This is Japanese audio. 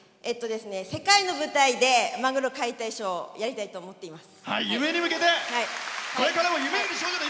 世界の舞台でマグロ解体ショーをやりたいと思っています。